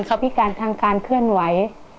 เขาพิการทางการเคลื่อนไหว